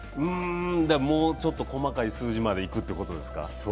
もうちょっと細かい数字までいくってことですか？